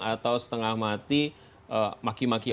atau setengah mati maki maki